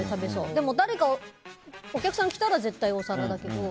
でも誰かお客さん来たら絶対お皿だけど。